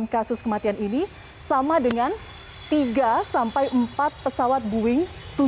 satu lima ratus enam puluh enam kasus kematian ini sama dengan tiga empat pesawat boeing tujuh ratus tujuh puluh tujuh